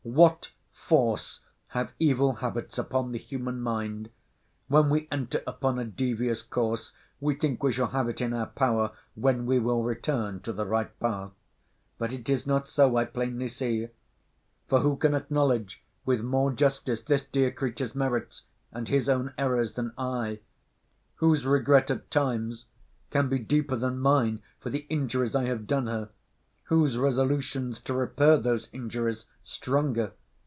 What force] have evil habits upon the human mind! When we enter upon a devious course, we think we shall have it in our power when we will return to the right path. But it is not so, I plainly see: For, who can acknowledge with more justice this dear creature's merits, and his own errors, than I? Whose regret, at times, can be deeper than mine, for the injuries I have done her? Whose resolutions to repair those injuries stronger?